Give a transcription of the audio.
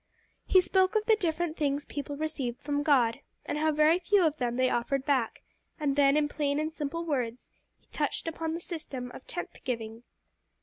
He spoke of the different things people received from God, and how very few of them they offered back, and then in plain and simple words he touched upon the system of tenth giving.